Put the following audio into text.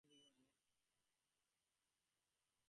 আপনি তো জানেন, আমি তাঁর কথা গ্রাহ্যই করি না।